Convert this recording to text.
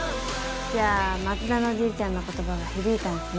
じゃあ松田のじいちゃんの言葉が響いたんすね。